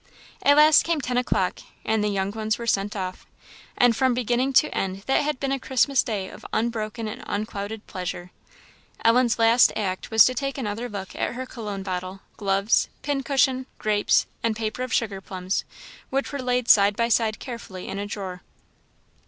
At last came ten o'clock, and the young ones were sent off; and from beginning to end that had been a Christmas day of unbroken and unclouded pleasure. Ellen's last act was to take another look at her Cologne bottle, gloves, pincushion, grapes, and paper of sugar plums, which were laid side by side carefully in a drawer.